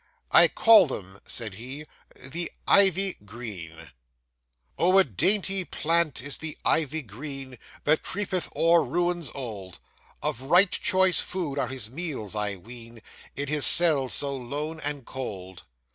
'I call them,' said he, THE IVY GREEN Oh, a dainty plant is the Ivy green, That creepeth o'er ruins old! Of right choice food are his meals, I ween, In his cell so lone and cold.